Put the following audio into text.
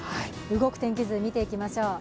動く天気図で見ていきましょう。